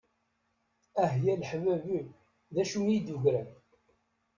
Ah ya leḥbab-iw d acu d iyi-d-yeggran.